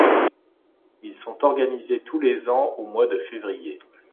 Ils sont organisés tous les ans au mois de février.